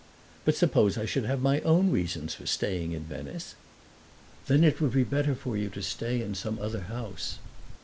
"But suppose I should have my own reasons for staying in Venice?" "Then it would be better for you to stay in some other house."